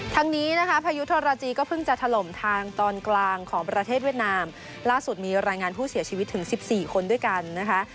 ทั้งนี้นะคะพายุทรจีก็เพิ่งจะถล่มทางตอนกลางของประเทศเวียดนามล่าสุดมีรายงานผู้เสียชีวิตถึงสิบสี่คนด้วยกันนะคะ